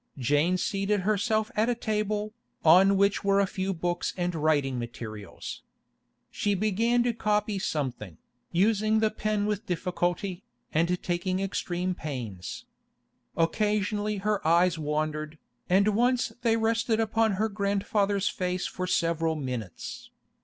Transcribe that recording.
Jane seated herself at a table, on which were a few books and writing materials. She began to copy something, using the pen with difficulty, and taking extreme pains. Occasionally her eyes wandered, and once they rested upon her grandfather's face for several minutes.